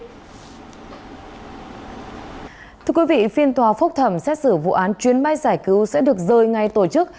thưa quý vị phiên tòa phúc thẩm xét xử vụ án chuyến bay giải cứu sẽ được rơi ngay tổ chức